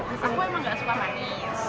aku emang gak suka manis